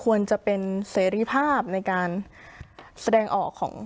เพราะฉะนั้นทำไมถึงต้องทำภาพจำในโรงเรียนให้เหมือนกัน